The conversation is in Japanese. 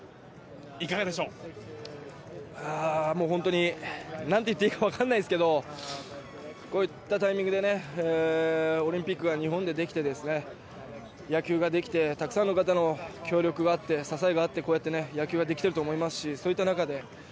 いかがでしょう？なんて言っていいか分かんないですけど、こういうタイミングでオリンピックが日本でできて、野球ができて、たくさんの方の協力、支えがあって野球ができていると思います。